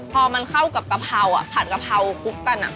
พอมันเข้ากับกะเพราผัดกะเพราคลุกกัน